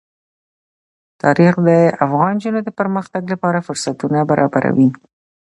تاریخ د افغان نجونو د پرمختګ لپاره فرصتونه برابروي.